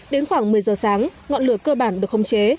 đến khoảng một mươi giờ sáng ngọn lửa cơ bản được không chế